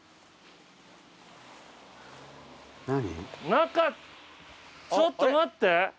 中ちょっと待って。